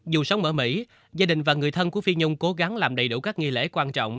dù sống ở mỹ gia đình và người thân của phi nhung cố gắng làm đầy đủ các nghi lễ quan trọng